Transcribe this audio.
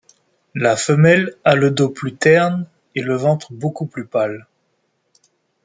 La femelle a le dos plus terne et le ventre beaucoup plus pâle.